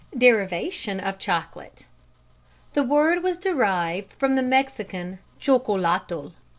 Derivation of Chocolate. The word was derived from the Mexican chocolatl.